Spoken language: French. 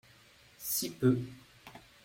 Si peu